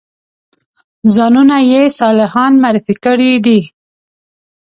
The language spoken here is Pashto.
ځانونه یې صالحان معرفي کړي دي.